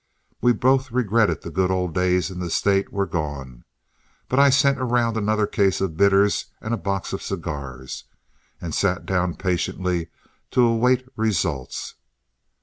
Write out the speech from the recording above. We both regretted that the good old days in the State were gone, but I sent around another case of bitters and a box of cigars, and sat down patiently to await results.